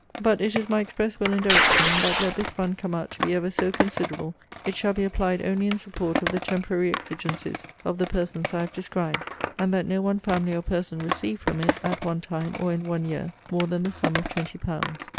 But it is my express will and direction, that let this fund come out to be ever so considerable, it shall be applied only in support of the temporary exigencies of the persons I have described; and that no one family or person receive from it, at one time, or in one year, more than the sum of twenty pounds.